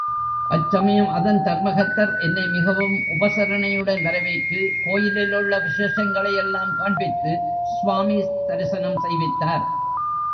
அச் சமயம் அதன் தர்மகர்த்தர் என்னை மிகவும் உபசரணையுடன் வரவேற்று, கோயிலிலுள்ள விசேஷங்களையெல்லாம் காண்பித்து, ஸ்வாமி தரிசனம் செய்வித்தார்.